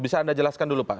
bisa anda jelaskan dulu pak